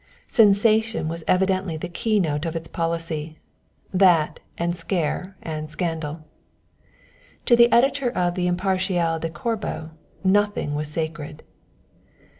Sensation was evidently the keynote of its policy that and scare and scandal. To the editor of the Impartial de Corbo nothing was sacred.